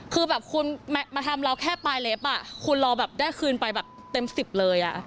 คือแบบคุณมาทำเราแค่ปลายเล็บคุณรอแบบได้คืนไปแบบเต็ม๑๐เลย